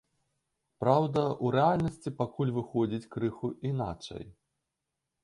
Праўда, у рэальнасці пакуль выходзіць крыху іначай.